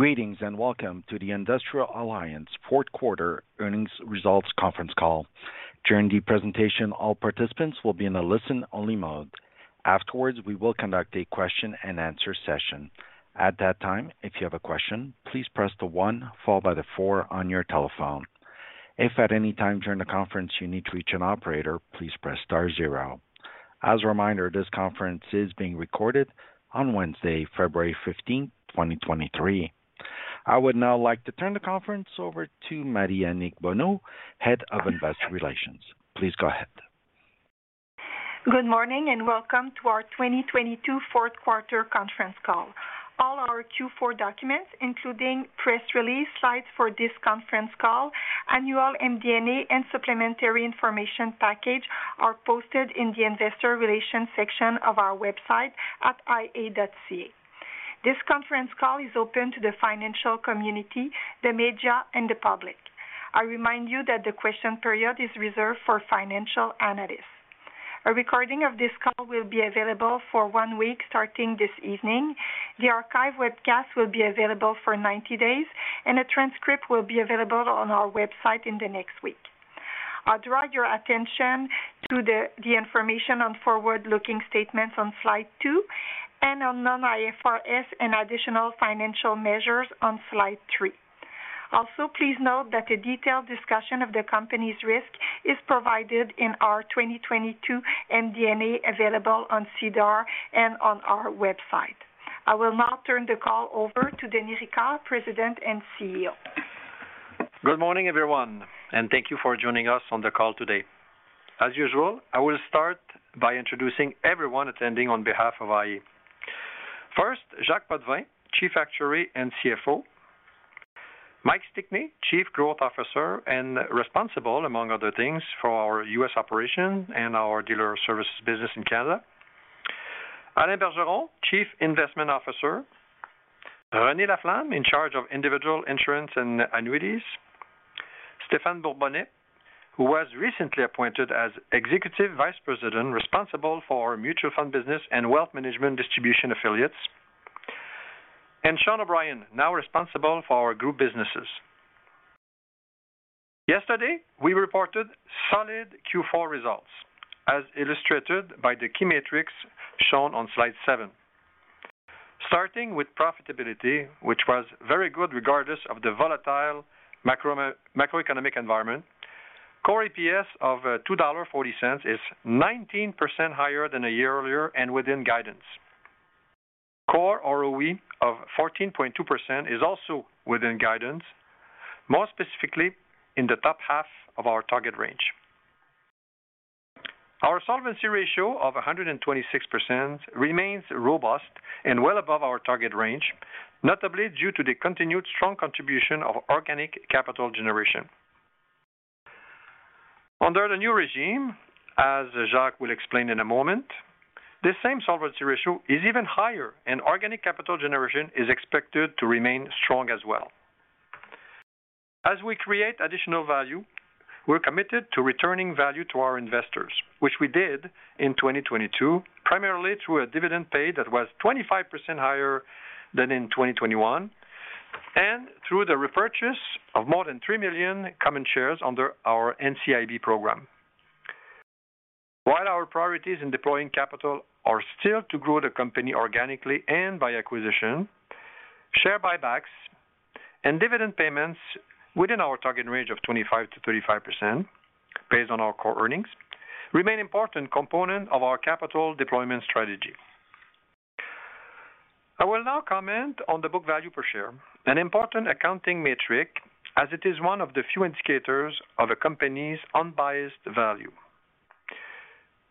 Greetings, and welcome to the Industrial Alliance Q4 earnings results Conference Call. During the presentation, all participants will be in a listen-only mode. Afterwards, we will conduct a question-and-answer session. At that time, if you have a question, please press the 1 followed by 4 on your telephone. If at any time during the conference you need to reach an operator, please press star zero. As a reminder, this conference is being recorded on Wednesday, February 15th, 2023. I would now like to turn the conference over to Marie-Annick Bonneau, Head of Investor Relations. Please go ahead. Good morning, and welcome to our 2022 Q4 Conference Call. All our Q4 documents, including press release, slides for this Conference Call, annual MD&A, and supplementary information package, are posted in the investor relations section of our website at ia.ca. This Conference Call is open to the financial community, the media, and the public. I remind you that the question period is reserved for financial analysts. A recording of this call will be available for 1 week starting this evening. The archive webcast will be available for 90 days. A transcript will be available on our website in the next week. I'll draw your attention to the information on forward-looking statements on slide 2 and on non-IFRS and additional financial measures on slide 3. Please note that a detailed discussion of the company's risk is provided in our 2022 MD&A available on SEDAR and on our website. I will now turn the call over to Denis Ricard, President and CEO. Good morning, everyone, and thank you for joining us on the call today. As usual, I will start by introducing everyone attending on behalf of iA. First, Jacques Potvin, Chief Actuary and CFO. Mike Stickney, Chief Growth Officer and responsible, among other things, for our US operations and our dealer services business in Canada. Alain Bergeron, Chief Investment Officer. Renée Laflamme, in charge of individual insurance and annuities. Stephan Bourbonnais, who was recently appointed as Executive Vice President, responsible for our mutual fund business and wealth management distribution affiliates. Sean O'Brien, now responsible for our group businesses. Yesterday, we reported solid Q4 results, as illustrated by the key metrics shown on slide seven. Starting with profitability, which was very good regardless of the volatile macroeconomic environment, core EPS of $2.40 is 19% higher than a year earlier and within guidance. Core ROE of 14.2% is also within guidance, more specifically in the top half of our target range. Our solvency ratio of 126% remains robust and well above our target range, notably due to the continued strong contribution of organic capital generation. Under the new regime, as Jacques will explain in a moment, this same solvency ratio is even higher, and organic capital generation is expected to remain strong as well. As we create additional value, we're committed to returning value to our investors, which we did in 2022, primarily through a dividend pay that was 25% higher than in 2021, and through the repurchase of more than 3 million common shares under our NCIB program. While our priorities in deploying capital are still to grow the company organically and by acquisition, share buybacks and dividend payments within our target range of 25%-35% based on our core earnings remain important component of our capital deployment strategy. I will now comment on the book value per share, an important accounting metric as it is one of the few indicators of a company's unbiased value.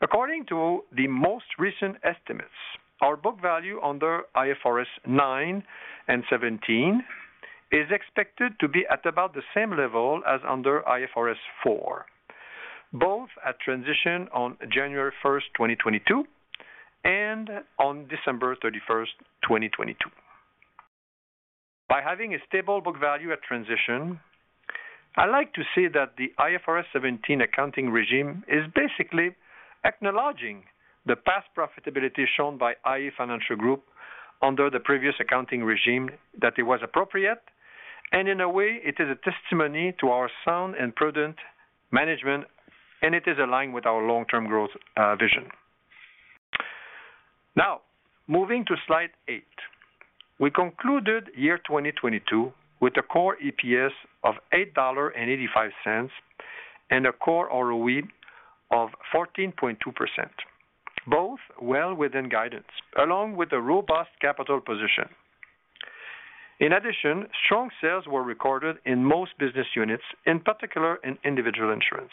According to the most recent estimates, our book value under IFRS 9 and 17 is expected to be at about the same level as under IFRS 4, both at transition on January 1st, 2022, and on December 31st, 2022. By having a stable book value at transition, I like to say that the IFRS 17 accounting regime is basically acknowledging the past profitability shown by iA Financial Group under the previous accounting regime, that it was appropriate, and in a way, it is a testimony to our sound and prudent management, and it is aligned with our long-term growth vision. Moving to slide 8. We concluded year 2022 with a core EPS of $8.85 and a core ROE of 14.2%, both well within guidance, along with a robust capital position. Strong sales were recorded in most business units, in particular in individual insurance.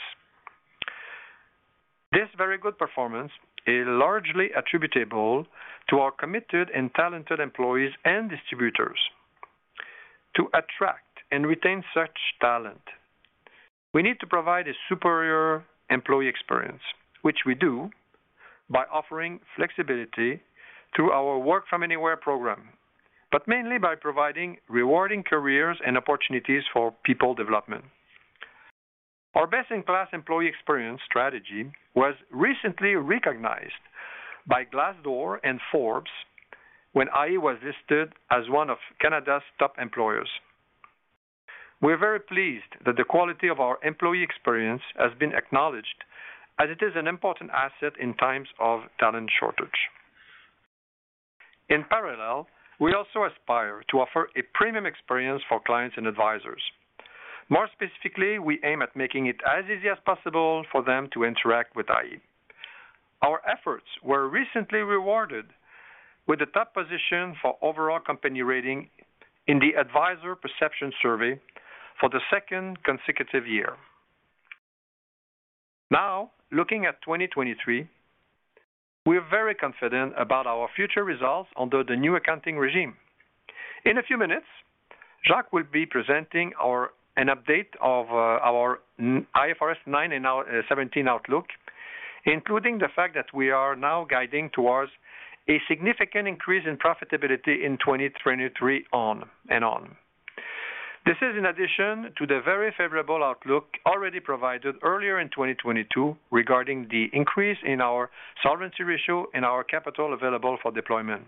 This very good performance is largely attributable to our committed and talented employees and distributors. To attract and retain such talent, we need to provide a superior employee experience, which we do by offering flexibility through our Work From Anywhere program, but mainly by providing rewarding careers and opportunities for people development. Our best-in-class employee experience strategy was recently recognized by Glassdoor and Forbes when iA was listed as one of Canada's top employers. We are very pleased that the quality of our employee experience has been acknowledged as it is an important asset in times of talent shortage. In parallel, we also aspire to offer a premium experience for clients and advisors. More specifically, we aim at making it as easy as possible for them to interact with iA. Our efforts were recently rewarded with a top position for overall company rating in the Advisor Perception Study for the second consecutive year. Now, looking at 2023, we are very confident about our future results under the new accounting regime. In a few minutes, Jacques will be presenting an update of our IFRS 9 and our seventeen outlook, including the fact that we are now guiding towards a significant increase in profitability in 2023 on and on. This is in addition to the very favorable outlook already provided earlier in 2022 regarding the increase in our solvency ratio and our capital available for deployment.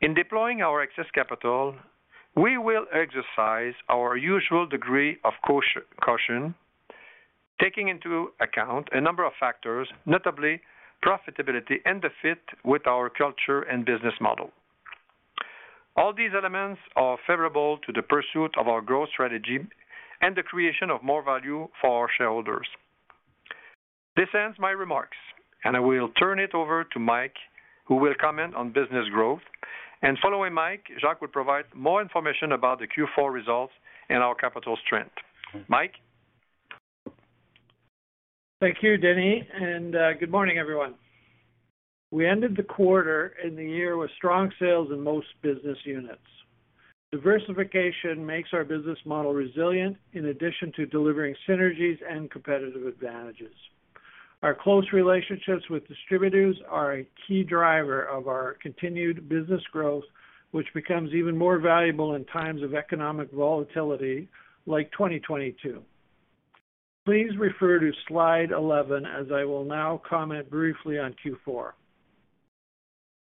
In deploying our excess capital, we will exercise our usual degree of caution, taking into account a number of factors, notably profitability and the fit with our culture and business model. All these elements are favorable to the pursuit of our growth strategy and the creation of more value for our shareholders. This ends my remarks, I will turn it over to Mike, who will comment on business growth. Following Mike, Jacques will provide more information about the Q4 results and our capital strength. Mike. Thank you, Denis. Good morning, everyone. We ended the quarter and the year with strong sales in most business units. Diversification makes our business model resilient in addition to delivering synergies and competitive advantages. Our close relationships with distributors are a key driver of our continued business growth, which becomes even more valuable in times of economic volatility like 2022. Please refer to Slide 11 as I will now comment briefly on Q4.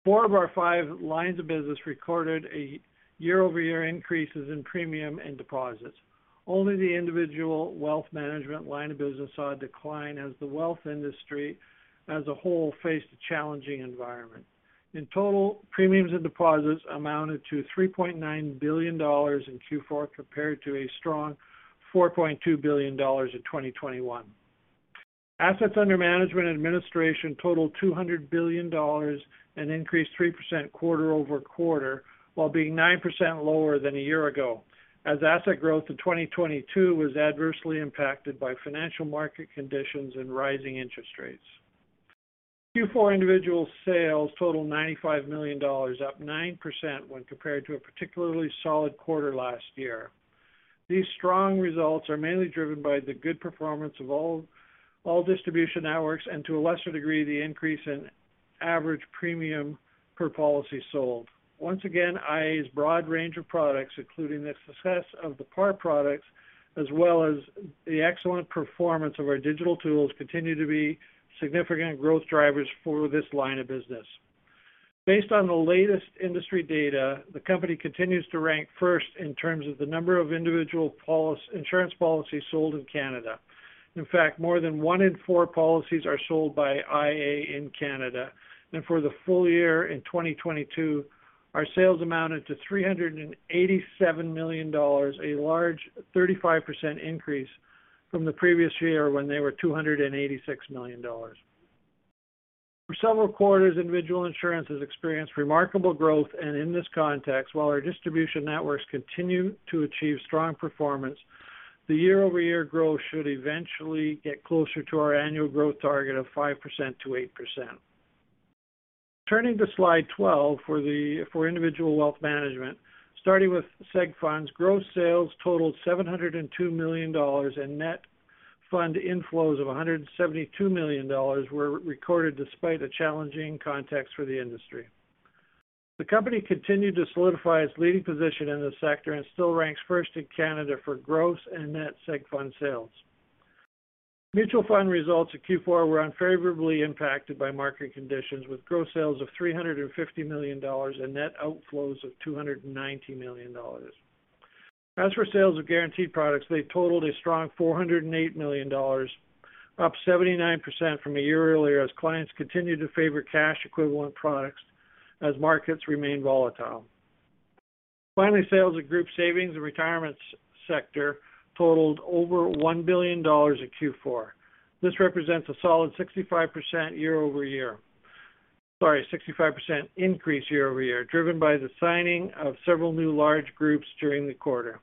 Four of our five lines of business recorded a year-over-year increase in premium and deposits. Only the individual wealth management line of business saw a decline as the wealth industry as a whole faced a challenging environment. In total, premiums and deposits amounted to 3.9 billion dollars in Q4, compared to a strong 4.2 billion dollars in 2021. Assets under management administration totaled $200 billion, an increase 3% quarter-over-quarter, while being 9% lower than a year ago, as asset growth in 2022 was adversely impacted by financial market conditions and rising interest rates. Q4 individual sales totaled $95 million, up 9% when compared to a particularly solid quarter last year. These strong results are mainly driven by the good performance of all distribution networks, and to a lesser degree, the increase in average premium per policy sold. Once again, iA's broad range of products, including the success of the PAR products, as well as the excellent performance of our digital tools, continue to be significant growth drivers for this line of business. Based on the latest industry data, the company continues to rank first in terms of the number of individual insurance policies sold in Canada. In fact, more than one in four policies are sold by iA in Canada. For the full year in 2022, our sales amounted to $387 million, a large 35% increase from the previous year when they were $286 million. For several quarters, individual insurance has experienced remarkable growth. In this context, while our distribution networks continue to achieve strong performance, the year-over-year growth should eventually get closer to our annual growth target of 5%-8%. Turning to Slide 12 for individual wealth management, starting with seg funds, gross sales totaled $702 million, and net fund inflows of $172 million were recorded despite a challenging context for the industry. The company continued to solidify its leading position in the sector and still ranks first in Canada for gross and net seg fund sales. Mutual fund results at Q4 were unfavorably impacted by market conditions with gross sales of $350 million and net outflows of $290 million. As for sales of guaranteed products, they totaled a strong $408 million, up 79% from a year earlier as clients continued to favor cash equivalent products as markets remained volatile. Finally, sales at group savings and retirement sector totaled over $1 billion at Q4. This represents a solid 65% year-over-year. Sorry, 65% increase year-over-year, driven by the signing of several new large groups during the quarter.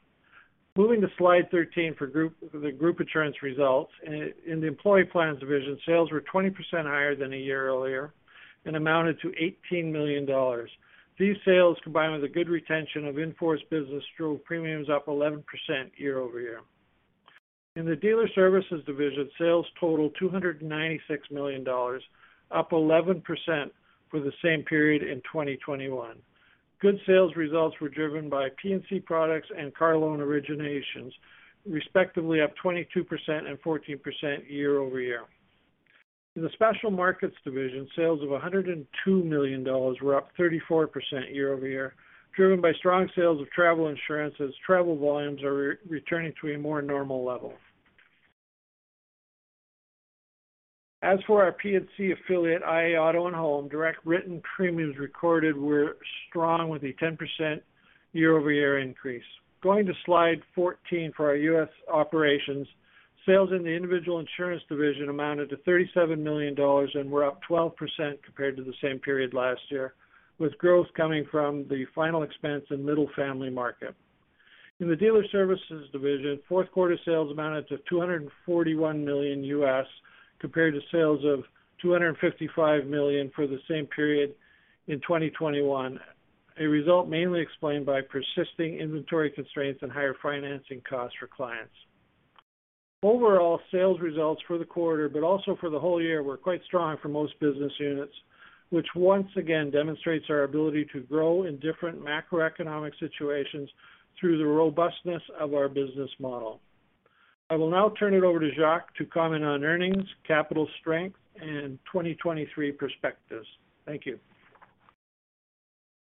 Moving to Slide 13 for group, the group insurance results. In the employee plans division, sales were 20% higher than a year earlier and amounted to 18 million dollars. These sales, combined with a good retention of in-force business, drove premiums up 11% year-over-year. In the dealer services division, sales totaled 296 million dollars, up 11% for the same period in 2021. Good sales results were driven by P&C products and car loan originations, respectively up 22% and 14% year-over-year. In the Special Markets division, sales of 102 million dollars were up 34% year-over-year, driven by strong sales of travel insurance as travel volumes are returning to a more normal level. As for our P&C affiliate, iA Auto and Home, direct written premiums recorded were strong with a 10% year-over-year increase. Going to slide 14 for our US operations, sales in the individual insurance division amounted to $37 million USD and were up 12% compared to the same period last year, with growth coming from the final expense in middle family market. In the dealer services division, Tthe Q4 sales amounted to $241 million USD, compared to sales of $255 million USD for the same period in 2021, a result mainly explained by persisting inventory constraints and higher financing costs for clients. Overall, sales results for the quarter, but also for the whole year, were quite strong for most business units, which once again demonstrates our ability to grow in different macroeconomic situations through the robustness of our business model. I will now turn it over to Jacques to comment on earnings, capital strength, and 2023 perspectives. Thank you.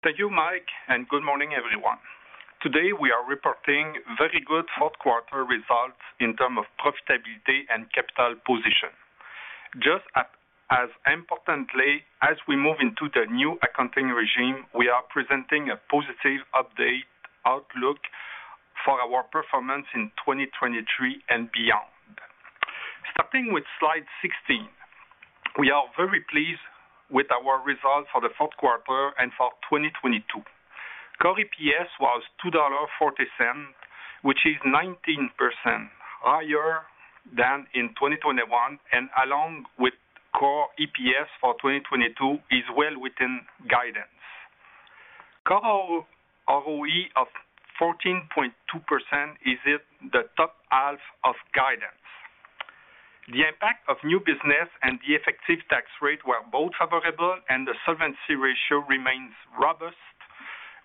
Thank you, Mike, and good morning, everyone. Today, we are reporting very good Q4 results in terms of profitability and capital position. Just as importantly, as we move into the new accounting regime, we are presenting a positive update outlook for our performance in 2023 and beyond. Starting with slide 16, we are very pleased with our results for the Q4 and for 2022. Core EPS was 2.40 dollars, which is 19% higher than in 2021, and along with core EPS for 2022 is well within guidance. The core ROE of 14.2% is at the top half of guidance. The impact of new business and the effective tax rate were both favorable, and the solvency ratio remains robust,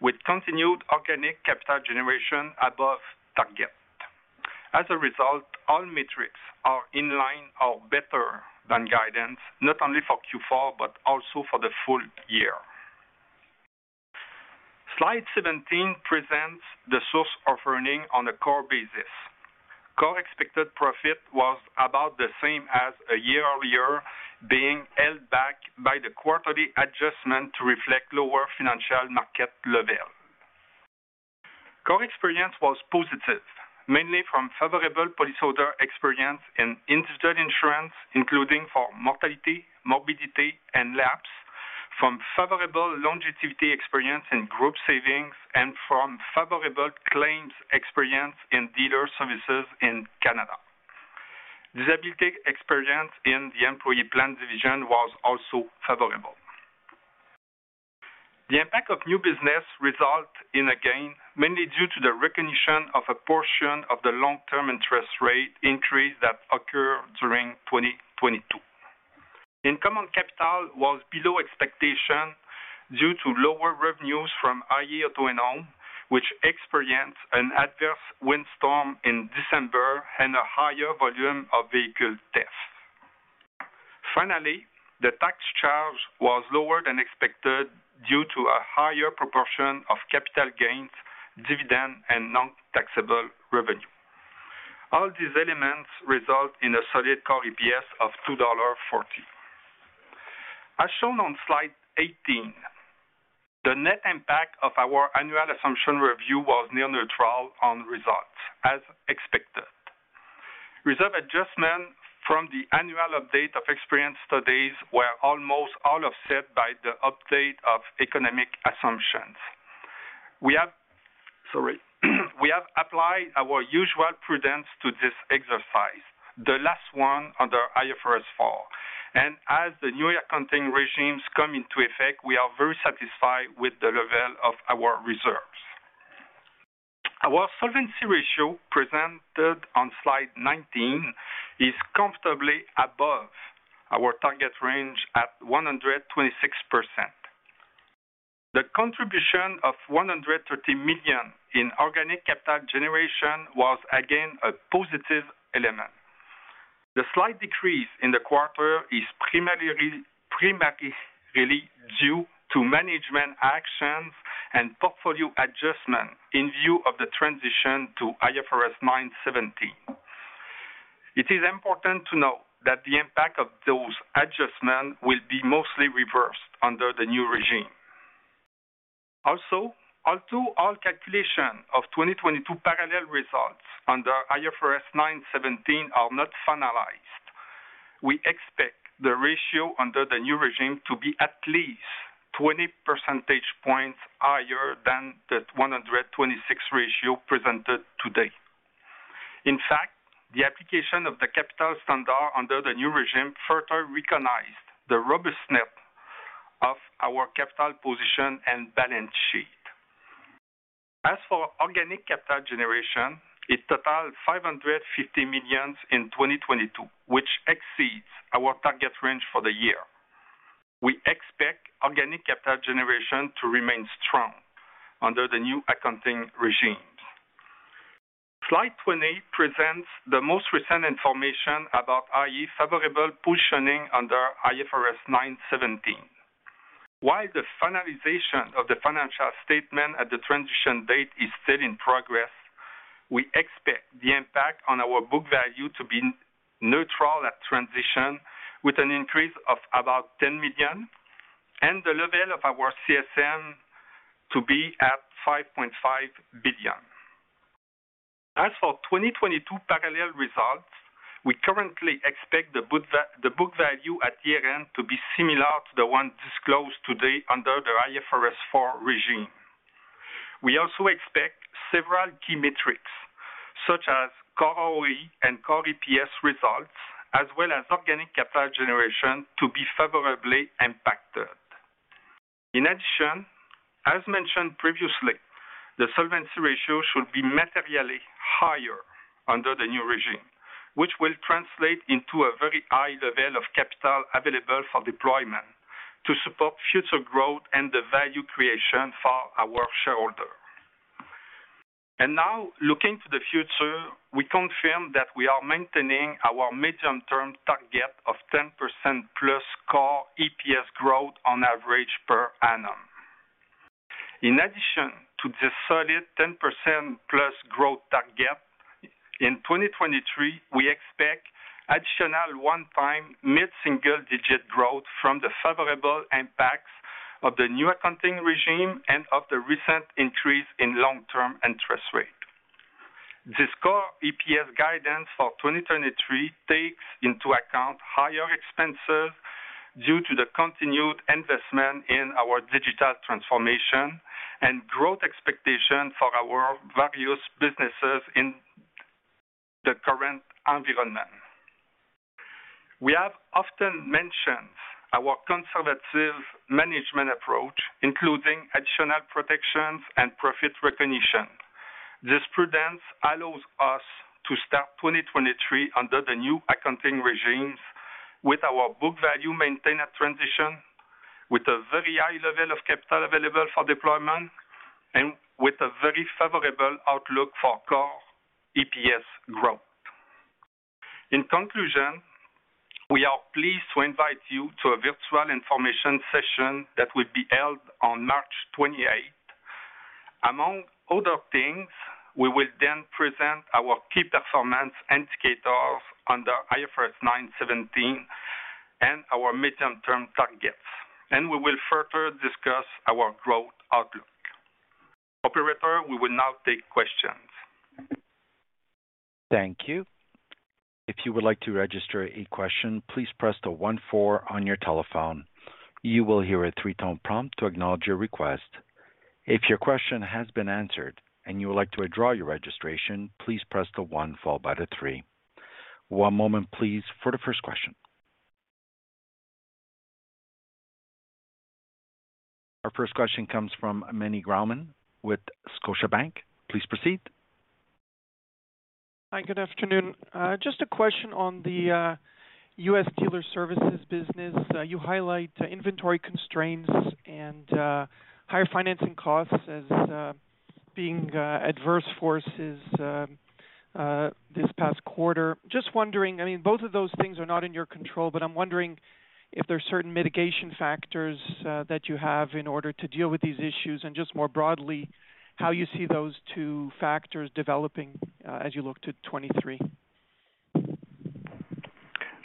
with continued organic capital generation above target. As a result, all metrics are in line or better than guidance, not only for Q4, but also for the full year. Slide 17 presents the source of earnings on a core basis. Core expected profit was about the same as a year earlier, being held back by the quarterly adjustment to reflect lower financial market level. Core experience was positive, mainly from favorable policyholder experience in incident insurance, including for mortality, morbidity, and lapse from favorable longevity experience in group savings and from favorable claims experience in dealer services in Canada. Disability experience in the employee plan division was also favorable. The impact of new business result in a gain, mainly due to the recognition of a portion of the long-term interest rate increase that occurred during 2022. In common, capital was below expectation due to lower revenues from iA Auto and Home, which experienced an adverse windstorm in December and a higher volume of vehicle theft. The tax charge was lower than expected due to a higher proportion of capital gains, dividend, and non-taxable revenue. All these elements result in a solid core EPS of $2.40. As shown on slide 18, the net impact of our annual assumption review was near neutral on results, as expected. Reserve adjustment from the annual update of experience studies were almost all offset by the update of economic assumptions. Sorry. We have applied our usual prudence to this exercise, the last one under IFRS 4. As the new accounting regimes come into effect, we are very satisfied with the level of our reserves. Our solvency ratio presented on slide 19 is comfortably above our target range at 126%. The contribution of 130 million in organic capital generation was again a positive element. The slight decrease in the quarter is primarily due to management actions and portfolio adjustment in view of the transition to IFRS 9 17. It is important to note that the impact of those adjustments will be mostly reversed under the new regime. Also, although all calculation of 2022 parallel results under IFRS 9 17 are not finalized, we expect the ratio under the new regime to be at least 20 percentage points higher than the 126 ratio presented today. In fact, the application of the capital standard under the new regime further recognized the robustness of our capital position and balance sheet. As for organic capital generation, it totaled $550 million in 2022, which exceeds our target range for the year. We expect organic capital generation to remain strong under the new accounting regime. Slide 20 presents the most recent information about iA favorable positioning under IFRS 9 17. While the finalization of the financial statement at the transition date is still in progress, we expect the impact on our book value to be neutral at transition, with an increase of about $10 million and the level of our CSM to be at $5.5 billion. As for 2022 parallel results, we currently expect the book value at year-end to be similar to the one disclosed today under the IFRS 4 regime. We also expect several key metrics such as core ROE and core EPS results, as well as organic capital generation, to be favorably impacted. In addition, as mentioned previously, the solvency ratio should be materially higher under the new regime, which will translate into a very high level of capital available for deployment to support future growth and the value creation for our shareholders. Now looking to the future, we confirm that we are maintaining our medium-term target of 10%+ core EPS growth on average per annum. In addition to the solid 10%+ growth target in 2023, we expect additional one-time mid-single-digit growth from the favorable impacts of the new accounting regime and of the recent increase in long-term interest rate. The core EPS guidance for 2023 takes into account higher expenses due to the continued investment in our digital transformation and growth expectation for our various businesses in the current environment. We have often mentioned our conservative management approach, including additional protections and profit recognition. This prudence allows us to start 2023 under the new accounting regimes with our book value maintained at transition with a very high level of capital available for deployment and with a very favorable outlook for core EPS growth. In conclusion, we are pleased to invite you to a virtual information session that will be held on March 28. Among other things, we will then present our key performance indicators under IFRS 9 and 17 and our medium-term targets, and we will further discuss our growth outlook. Operator, we will now take questions. Thank you. If you would like to register a question, please press the 1 4 on your telephone. You will hear a 3-tone prompt to acknowledge your request. If your question has been answered and you would like to withdraw your registration, please press the 1 followed by the 3. One moment please for the first question. Our first question comes from Meny Grauman with Scotiabank. Please proceed. Hi, good afternoon. Just a question on the US dealer services business. You highlight inventory constraints and higher financing costs as being adverse forces this past quarter. Just wondering, I mean, both of those things are not in your control, but I'm wondering if there are certain mitigation factors that you have in order to deal with these issues. Just more broadly, how you see those two factors developing as you look to 2023.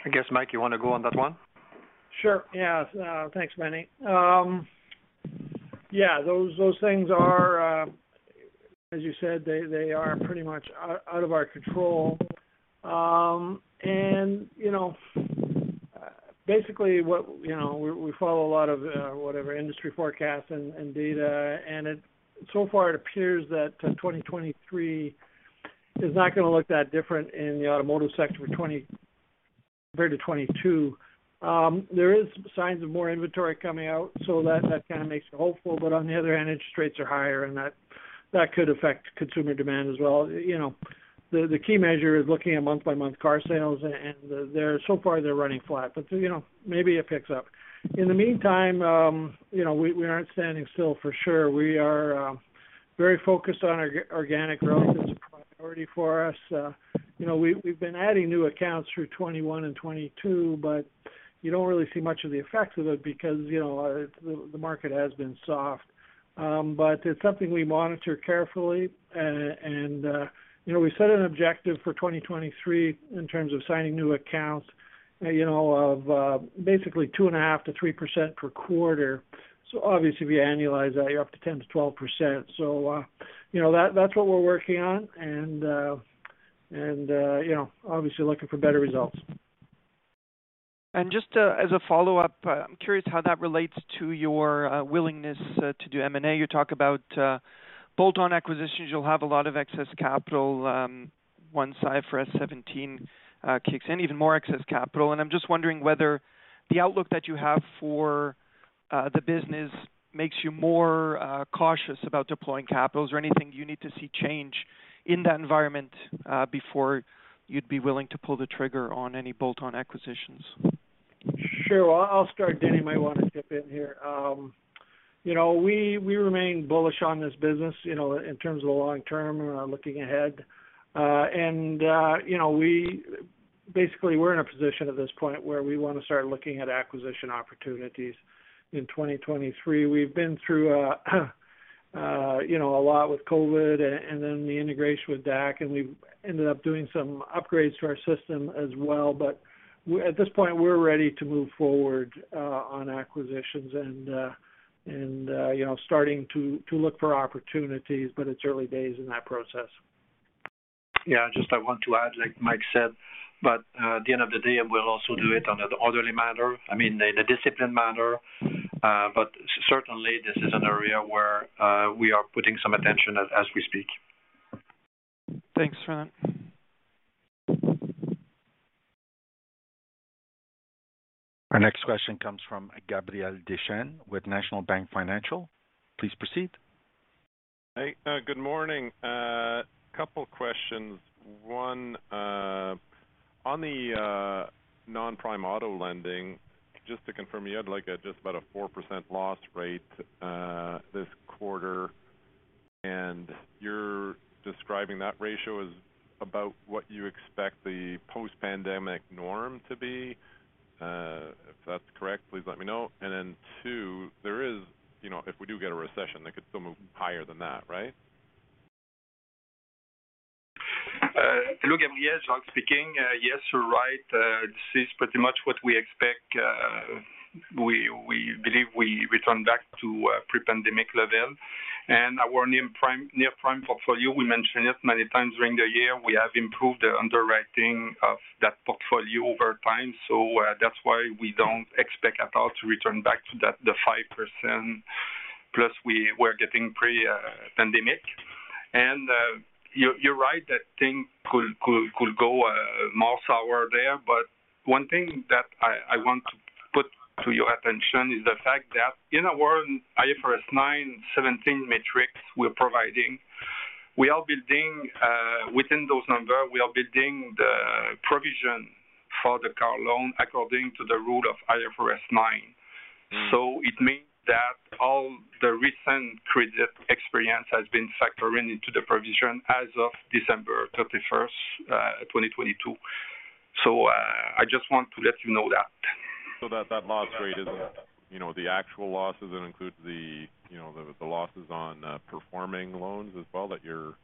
I guess, Mike, you want to go on that one? Sure, yeah. Thanks, Meny. Yeah, those things are, as you said, they are pretty much out of our control. You know, basically what, you know, we follow a lot of whatever industry forecasts and data, and so far it appears that 2023 is not going to look that different in the automotive sector compared to 2022. There is signs of more inventory coming out, so that kind of makes me hopeful. On the other hand, interest rates are higher and that could affect consumer demand as well. You know, the key measure is looking at month-by-month car sales, and so far, they're running flat, but, you know, maybe it picks up. In the meantime, you know, we aren't standing still for sure. We are very focused on organic growth as a priority for us. You know, we've been adding new accounts through 2021 and 2022, but you don't really see much of the effects of it because, you know, the market has been soft. But it's something we monitor carefully. You know, we set an objective for 2023 in terms of signing new accounts of basically 2.5%-3% per quarter. Obviously if you annualize that, you're up to 10%-12%. You know, that's what we're working on and you know, obviously looking for better results. Just as a follow-up, I'm curious how that relates to your willingness to do M&A. You talk about bolt-on acquisitions. You'll have a lot of excess capital once IFRS 17 kicks in, even more excess capital. I'm just wondering the outlook that you have for the business makes you more cautious about deploying capitals or anything you need to see change in that environment before you'd be willing to pull the trigger on any bolt-on acquisitions. Sure. Well, I'll start. Denis might want to skip in here. you know, we remain bullish on this business, you know, in terms of the long term, looking ahead. you know, basically, we're in a position at this point where we want to start looking at acquisition opportunities in 2023. We've been through, you know, a lot with COVID and then the integration with DAC, and we've ended up doing some upgrades to our system as well. At this point, we're ready to move forward on acquisitions and, you know, starting to look for opportunities, it's early days in that process. Just I want to add, like Mike said, but at the end of the day, we'll also do it on an orderly manner, I mean, in a disciplined manner. Certainly, this is an area where we are putting some attention as we speak. Thanks, Potvin. Our next question comes from Gabriel Dechaine with National Bank Financial. Please proceed. Hey. Good morning. Couple questions. 1. On the non-prime auto lending, just to confirm, you had, like, just about a 4% loss rate this quarter, and you're describing that ratio as about what you expect the post-pandemic norm to be. If that's correct, please let me know. 2. There is, you know, if we do get a recession, they could still move higher than that, right? Hello, Gabriel, Jacques speaking. Yes, you're right. This is pretty much what we expect. We believe we return back to pre-pandemic level. Our near-prime portfolio, we mentioned it many times during the year, we have improved the underwriting of that portfolio over time. That's why we don't expect at all to return back to that, the 5% plus we were getting pre-pandemic. You're right that things could go more sour there. One thing that I want to put to your attention is the fact that in our IFRS 9 seventeen metrics we're providing, we are building within those numbers, we are building the provision for the car loan according to the rule of IFRS 9. It means that all the recent credit experience has been factoring into the provision as of December 31st, 2022. I just want to let you know that. That loss rate isn't, you know, the actual losses that includes the, you know, the losses on performing loans as well that you're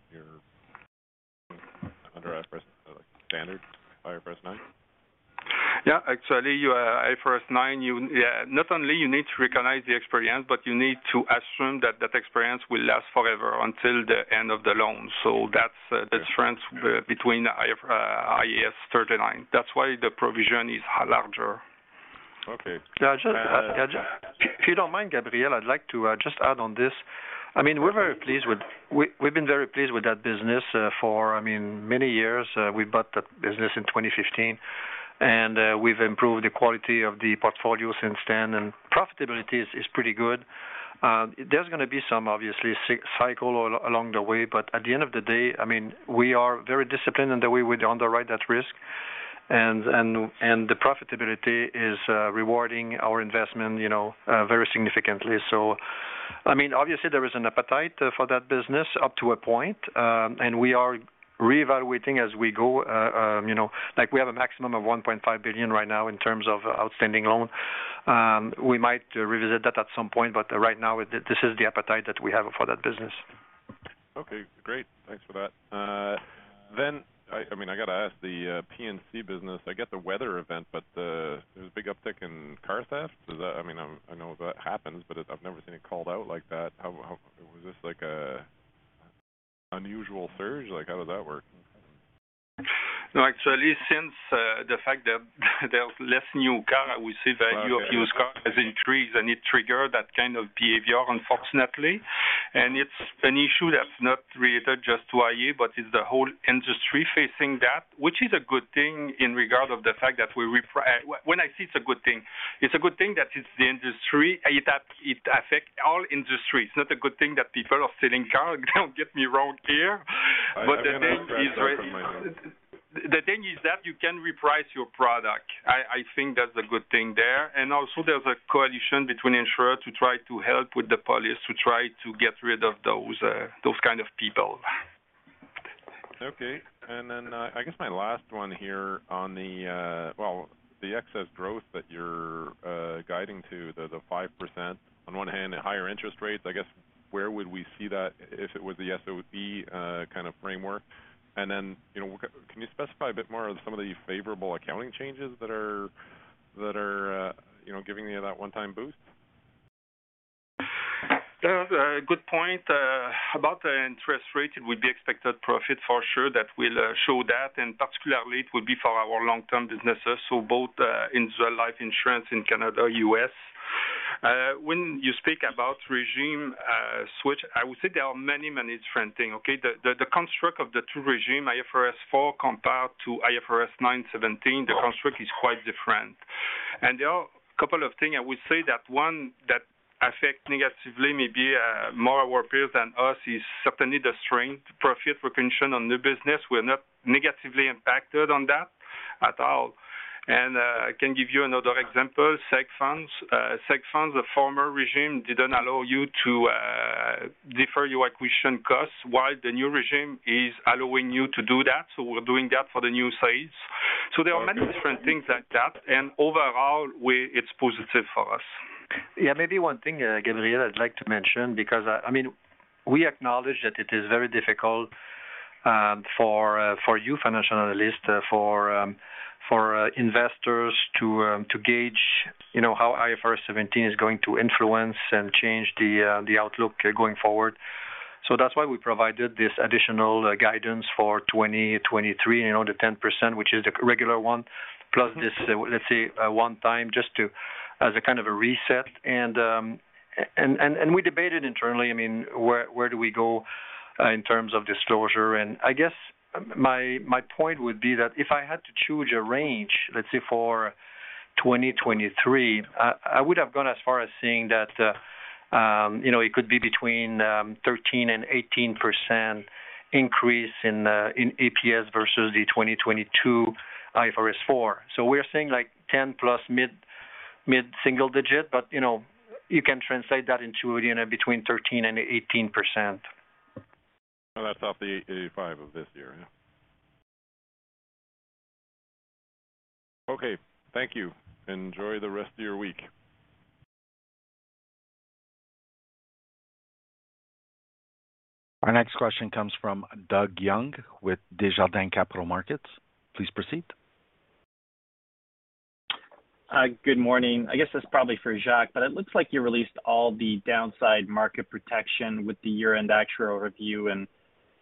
under standard IFRS 9? Yeah. Actually, IFRS 9, yeah, not only you need to recognize the experience, but you need to assume that that experience will last forever until the end of the loan. That's the difference between IAS 39. That's why the provision is larger. Okay. Yeah. If you don't mind, Gabriel, I'd like to just add on this. I mean, we've been very pleased with that business for, I mean, many years. We bought that business in 2015. We've improved the quality of the portfolio since then. Profitability is pretty good. There's gonna be some, obviously, cycle along the way. At the end of the day, I mean, we are very disciplined in the way we underwrite that risk. The profitability is rewarding our investment, you know, very significantly. I mean, obviously there is an appetite for that business up to a point, and we are reevaluating as we go, you know. Like, we have a maximum of $1.5 billion right now in terms of outstanding loan. We might revisit that at some point, but right now, this is the appetite that we have for that business. Okay, great. Thanks for that. I mean, I got to ask the P&C business. I get the weather event, but there's a big uptick in car theft. Is that I mean, I know that happens, but I've never seen it called out like that. How was this like a unusual surge? Like, how does that work? No, actually, since, the fact that there's less new car, we see value of used cars increase, and it triggered that kind of behavior, unfortunately. It's an issue that's not related just to iA, but it's the whole industry facing that, which is a good thing in regard of the fact that we When I say it's a good thing, it's a good thing that it's the industry, it affect all industries. It's not a good thing that people are stealing cars. Don't get me wrong here. I understand. The thing is that you can reprice your product. I think that's a good thing there. Also there's a coalition between insurer to try to help with the police to try to get rid of those kind of people. Okay. And then, I guess my last one here on the, well, the excess growth that you're, guiding to the 5%. On one hand, the higher interest rates, I guess, where would we see that if it was the SOE, kind of framework? You know, can you specify a bit more of some of the favorable accounting changes that are, that are, you know, giving you that one-time boost? Good point. About the interest rate, it would be expected profit for sure that will show that, particularly it would be for our long-term businesses. Both in life insurance in Canada, US When you speak about regime switch, I would say there are many different things, okay? The construct of the two regime IFRS 4 compared to IFRS 9 seventeen, the construct is quite different. There are a couple of things I would say that one that affect negatively maybe more our peers than us is certainly the strength profit recognition on new business. We're not negatively impacted on that at all. I can give you another example. Seg funds. Seg funds, the former regime, didn't allow you to defer your acquisition costs, while the new regime is allowing you to do that. We're doing that for the new sales. There are many different things like that. Overall, it's positive for us. Yeah, maybe one thing, Gabriel, I'd like to mention, because, I mean, we acknowledge that it is very difficult, for you financial analysts, for investors to gauge, you know, how IFRS 17 is going to influence and change the outlook going forward. That's why we provided this additional guidance for 2023, you know, the 10%, which is the regular one, plus this, let's say, one-time just to as a kind of a reset. We debated internally, I mean, where do we go, in terms of disclosure? I guess my point would be that if I had to choose a range, let's say for 2023, I would have gone as far as saying that, you know, it could be between 13% and 18% increase in APS versus the 2022 IFRS 4. We're saying like 10 plus mid single digit. You know, you can translate that into, you know, between 13% and 18%. That's off the 85 of this year, yeah. Okay. Thank you. Enjoy the rest of your week. Our next question comes from Doug Young with Desjardins Capital Markets. Please proceed. Hi. Good morning. I guess it's probably for Jacques, but it looks like you released all the downside market protection with the year-end actual review.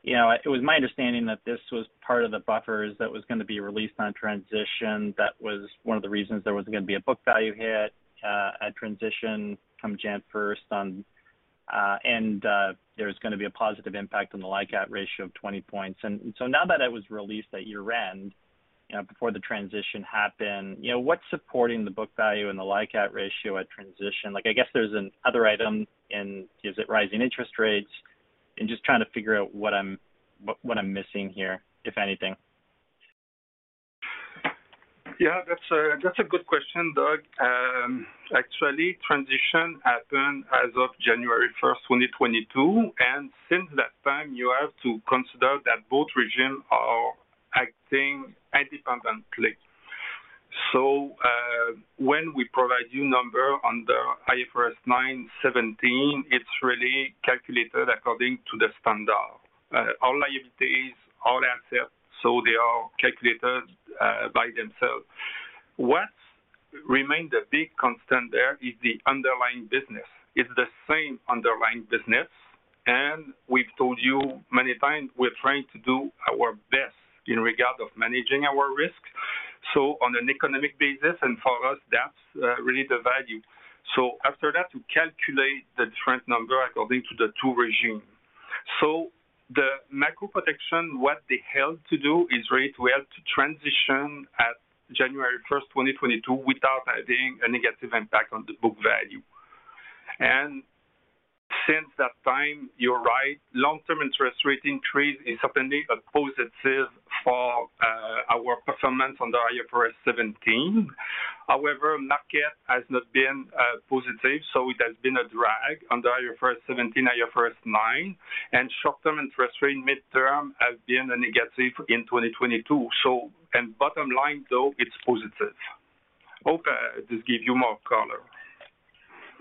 You know, it was my understanding that this was part of the buffers that was gonna be released on transition. That was one of the reasons there was gonna be a book value hit at transition come January 1st on. There was gonna be a positive impact on the LICAT ratio of 20 points. Now that it was released at year-end, you know, before the transition happened, you know, what's supporting the book value and the LICAT ratio at transition? Like, I guess there's an other item and is it rising interest rates? Just trying to figure out what I'm missing here, if anything. Yeah, that's a good question, Doug. Actually, transition happened as of January 1, 2022, and since that time, you have to consider that both regimes are acting independently. When we provide you number on the IFRS 9 seventeen, it's really calculated according to the standard. All liabilities, all assets, they are calculated by themselves. What remained a big constant there is the underlying business. It's the same underlying business, and we've told you many times we're trying to do our best in regard of managing our risks. On an economic basis, and for us, that's really the value. After that, we calculate the different number according to the two regime. The macro protection, what they helped to do is really to help to transition at January 1, 2022, without having a negative impact on the book value. Since that time, you're right, long-term interest rate increase is certainly a positive for our performance on the IFRS 17. However, market has not been positive, so it has been a drag on the IFRS 17, IFRS 9, and short-term interest rate midterm has been a negative in 2022. Bottom line, though, it's positive. Hope this give you more color.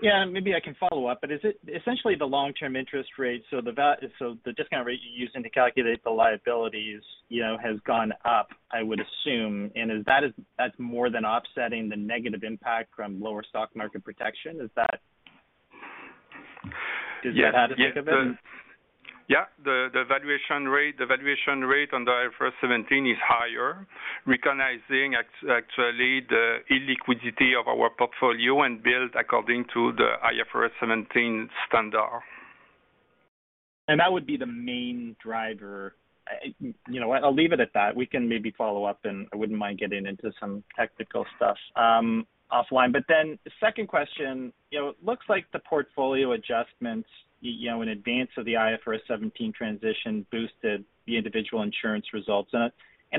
Yeah. Maybe I can follow up. Is essentially the long-term interest rate, so the discount rate you're using to calculate the liabilities, you know, has gone up, I would assume. Is that that's more than offsetting the negative impact from lower stock market protection, is that? Is that how to think of it? Yeah. The valuation rate on the IFRS 17 is higher, recognizing actually the illiquidity of our portfolio and built according to the IFRS 17 standard. That would be the main driver. You know what? I'll leave it at that. We can maybe follow up, and I wouldn't mind getting into some technical stuff offline. The second question. You know, it looks like the portfolio adjustments you know, in advance of the IFRS 17 transition boosted the individual insurance results. I'm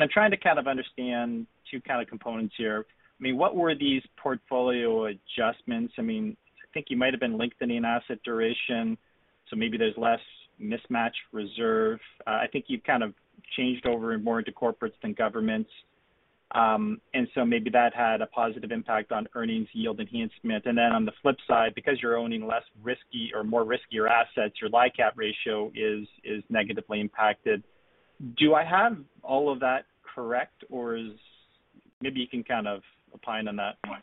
trying to kind of understand two kind of components here. I mean, what were these portfolio adjustments? I mean, I think you might have been lengthening asset duration, so maybe there's less mismatch reserve. I think you've kind of changed over more into corporates than governments. So maybe that had a positive impact on earnings yield enhancement. Then on the flip side, because you're owning less risky or more riskier assets, your LICAT ratio is negatively impacted. Do I have all of that correct, or is maybe you can kind of opine on that point?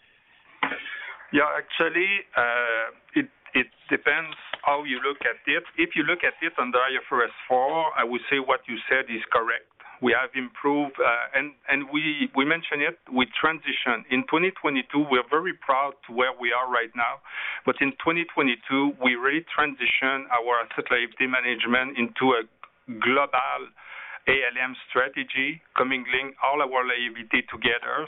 How you look at it. If you look at it under IFRS 4, I would say what you said is correct. We have improved, and we mentioned it, we transition. In 2022 we are very proud to where we are right now. In 2022 we really transition our asset liability management into a global ALM strategy commingling all our liability together.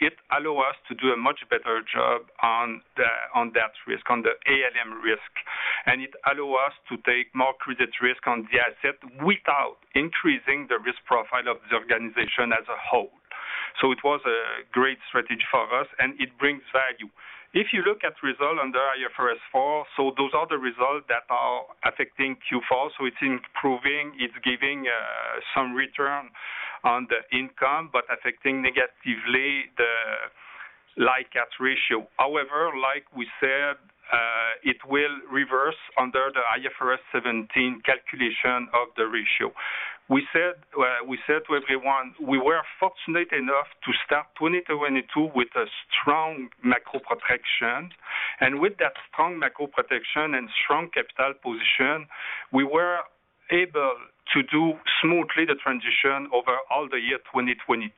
It allow us to do a much better job on that risk, on the ALM risk. It allow us to take more credit risk on the asset without increasing the risk profile of the organization as a whole. It was a great strategy for us, and it brings value. If you look at result under IFRS 4, those are the results that are affecting Q4. It's improving, it's giving some return on the income, but affecting negatively the LICAT ratio. However, like we said, it will reverse under the IFRS 17 calculation of the ratio. We said, we said to everyone we were fortunate enough to start 2022 with a strong macro protection. With that strong macro protection and strong capital position, we were able to do smoothly the transition over all the year 2022.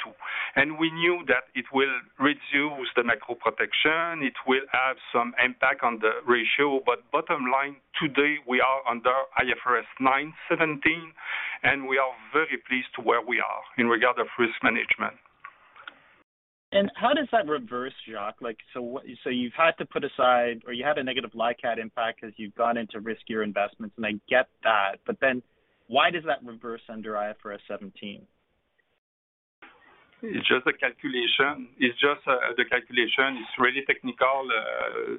We knew that it will reduce the macro protection. It will have some impact on the ratio. Bottom line, today we are under IFRS 9 17, and we are very pleased to where we are in regard of risk management. How does that reverse, Jacques? Like, so you've had to put aside or you had a negative LICAT impact because you've gone into riskier investments, and I get that. Why does that reverse under IFRS 17? It's just a calculation. It's just, the calculation. It's really technical,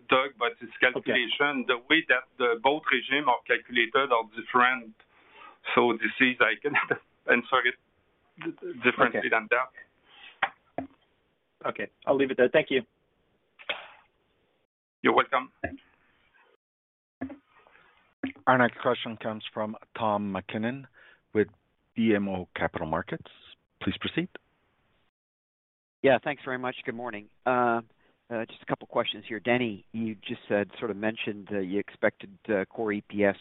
Doug, but it's calculation. Okay. The way that the both regime are calculated are different. This is like I'm sorry, differently than that. Okay. Okay. I'll leave it there. Thank you. You're welcome. Thanks. Our next question comes from Tom MacKinnon with BMO Capital Markets. Please proceed. Yeah, thanks very much. Good morning. Just a couple questions here. Denis, you just said sort of mentioned that you expected core EPS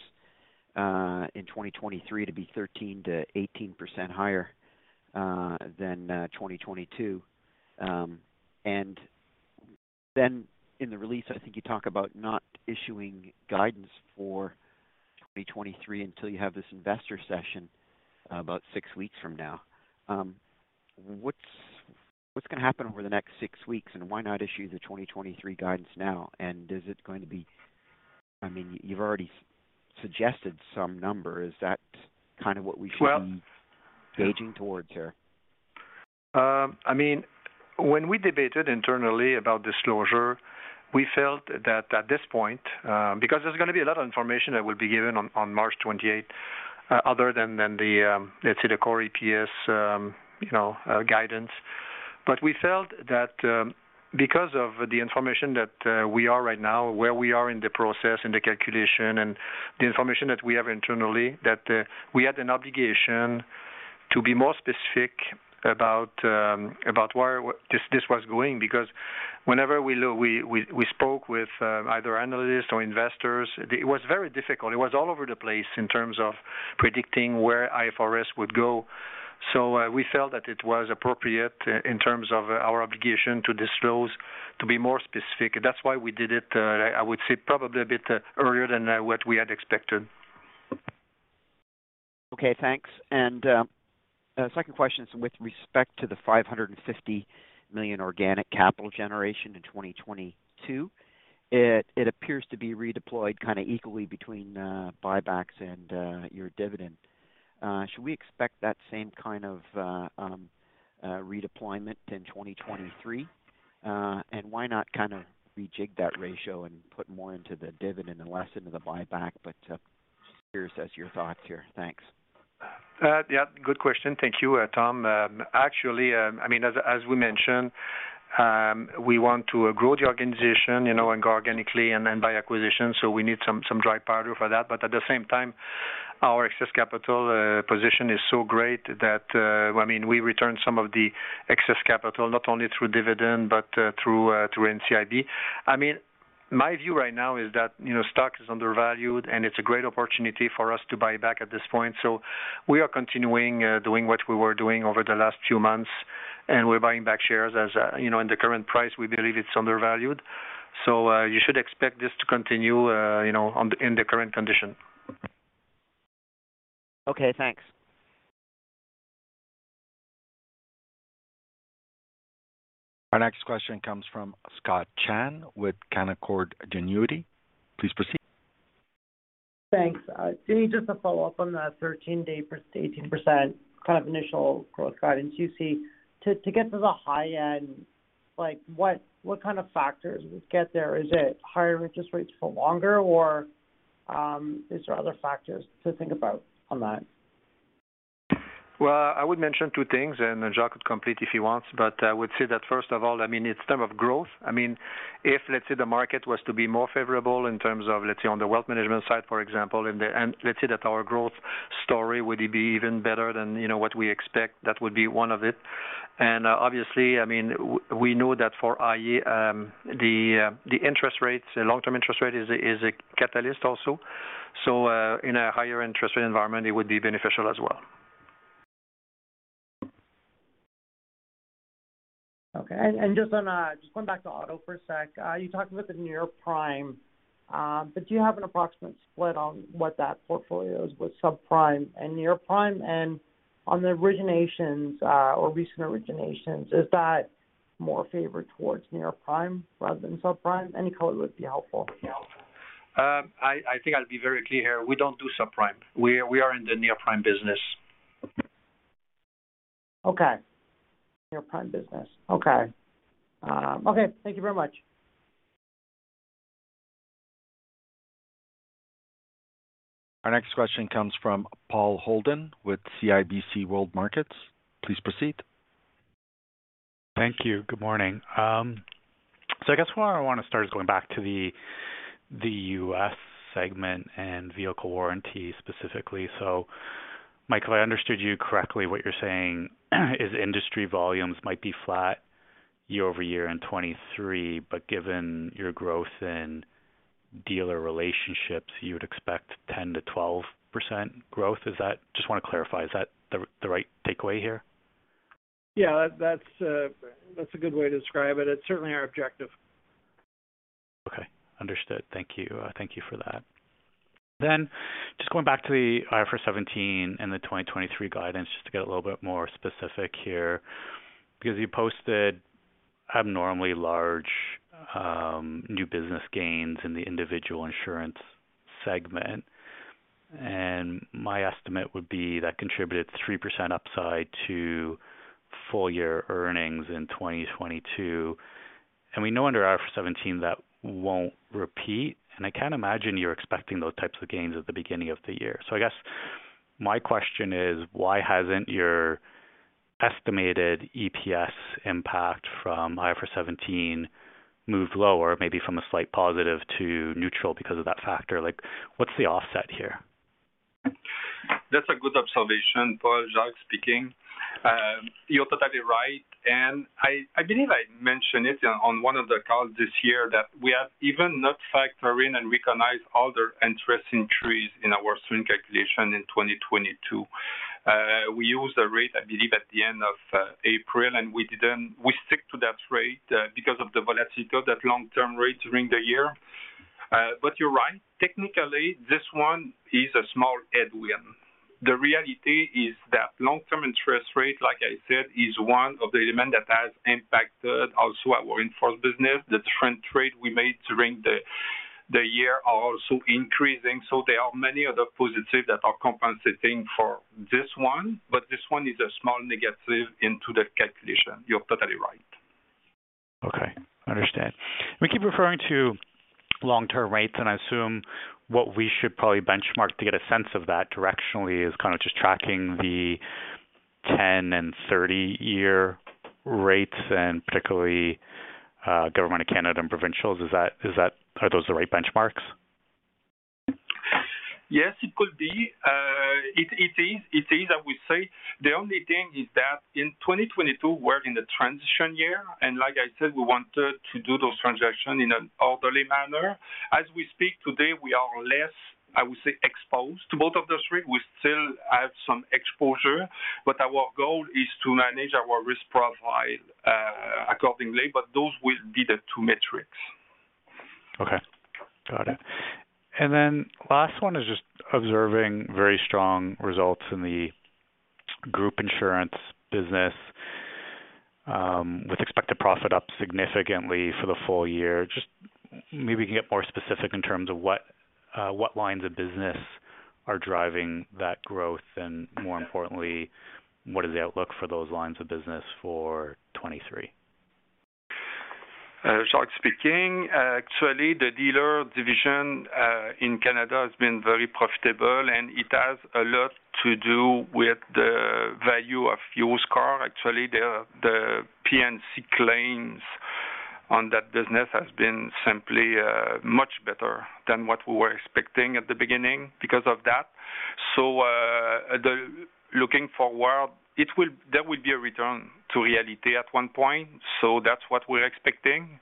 in 2023 to be 13%-18% higher than 2022. Then in the release, I think you talk about not issuing guidance for 2023 until you have this investor session about 6 weeks from now. What's gonna happen over the next 6 weeks, and why not issue the 2023 guidance now? I mean, you've already suggested some number. Is that kind of what we should be... Well- gaging towards here? I mean, when we debated internally about disclosure, we felt that at this point, because there's gonna be a lot of information that will be given on March 28, other than the, let's say the core EPS, you know, guidance. We felt that, because of the information that we are right now, where we are in the process, in the calculation and the information that we have internally, that we had an obligation to be more specific about where this was going. Whenever we spoke with either analysts or investors, it was very difficult. It was all over the place in terms of predicting where IFRS would go. We felt that it was appropriate in terms of our obligation to disclose, to be more specific. That's why we did it, I would say probably a bit, earlier than, what we had expected. Okay, thanks. Second question is with respect to the 550 million organic capital generation in 2022. It appears to be redeployed kinda equally between buybacks and your dividend. Should we expect that same kind of redeployment in 2023? Why not kinda rejig that ratio and put more into the dividend and less into the buyback? Curious as your thoughts here. Thanks. Yeah, good question. Thank you, Tom. Actually, I mean, as we mentioned, we want to grow the organization, you know, and go organically and then by acquisition. We need some dry powder for that. At the same time, our excess capital position is so great that I mean, we return some of the excess capital not only through dividend but through NCIB. I mean, my view right now is that, you know, stock is undervalued, and it's a great opportunity for us to buy back at this point. We are continuing doing what we were doing over the last few months, and we're buying back shares as, you know, in the current price, we believe it's undervalued. You should expect this to continue, you know, in the current condition. Okay, thanks. Our next question comes from Scott Chan with Canaccord Genuity. Please proceed. Thanks. Denis, just to follow up on the 13%-18% kind of initial growth guidance you see. To get to the high end, like, what kind of factors would get there? Is it higher interest rates for longer or, is there other factors to think about on that? Well, I would mention two things, and Jacques could complete if he wants. I would say that first of all, I mean, it's term of growth. I mean, if let's say the market was to be more favorable in terms of, let's say, on the wealth management side, for example, and let's say that our growth story, would it be even better than, you know, what we expect, that would be one of it. Obviously, I mean, we know that for iA, the interest rates, long-term interest rate is a catalyst also. In a higher interest rate environment, it would be beneficial as well. Okay. And just on, just going back to auto for a sec. You talked about the near prime, but do you have an approximate split on what that portfolio is with subprime and near prime? On the originations, or recent originations, is that more favored towards near prime rather than subprime? Any color would be helpful. Yeah. I think I'll be very clear. We don't do subprime. We are in the near-prime business. Okay. Near-prime business. Okay. Okay. Thank you very much. Our next question comes from Paul Holden with CIBC World Markets. Please proceed. Thank you. Good morning. I guess where I want to start is going back to the US segment and vehicle warranty specifically. Mike, I understood you correctly, what you're saying is industry volumes might be flat year-over-year in 2023, but given your growth in dealer relationships, you would expect 10%-12% growth. Just want to clarify, is that the right takeaway here? Yeah, that's a good way to describe it. It's certainly our objective. Okay. Understood. Thank you. Thank you for that. Just going back to the IFRS 17 and the 2023 guidance, just to get a little bit more specific here, because you posted abnormally large new business gains in the individual insurance segment. My estimate would be that contributed 3% upside to full-year earnings in 2022. We know under IFRS 17 that won't repeat, and I can't imagine you're expecting those types of gains at the beginning of the year. I guess my question is, why hasn't your estimated EPS impact from IFRS 17 moved lower, maybe from a slight positive to neutral because of that factor? Like, what's the offset here? That's a good observation, Paul. Jacques speaking. You're totally right. I believe I mentioned it on one of the calls this year that we have even not factor in and recognize other interest increase in our stream calculation in 2022. We use a rate, I believe, at the end of April, we stick to that rate because of the volatility of that long-term rate during the year. You're right, technically this one is a small headwind. The reality is that long-term interest rate, like I said, is one of the element that has impacted also our reinforced business. The different trade we made during the year are also increasing. There are many other positive that are compensating for this one, but this one is a small negative into the calculation. You're totally right. Okay. Understand. We keep referring to long-term rates, I assume what we should probably benchmark to get a sense of that directionally is kind of just tracking the 10-year and 30-year rates and particularly, government of Canada and provincials. Are those the right benchmarks? Yes, it could be. it is, I would say. The only thing is that in 2022, we're in the transition year. Like I said, we wanted to do those transaction in an orderly manner. As we speak today, we are less, I would say, exposed to both of those three. We still have some exposure, but our goal is to manage our risk profile accordingly. Those will be the two metrics. Okay. Got it. Last one is just observing very strong results in the group insurance business, with expected profit up significantly for the full year. Just maybe we can get more specific in terms of what lines of business are driving that growth, and more importantly, what is the outlook for those lines of business for 2023. Jacques speaking. Actually, the dealer division in Canada has been very profitable, and it has a lot to do with the value of used car. Actually, the P&C claims on that business have been simply much better than what we were expecting at the beginning because of that. Looking forward, there will be a return to reality at one point. That's what we're expecting.